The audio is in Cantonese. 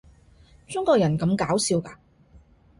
中國人咁搞笑㗎